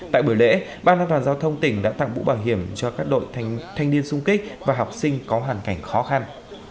tại buổi lễ ban an toàn giao thông tỉnh đã tặng mũ bảo hiểm cho các đội thanh niên sung kích và học sinh có hoàn cảnh khó khăn